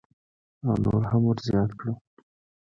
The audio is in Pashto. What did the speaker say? او نور هم ورزیات کړو.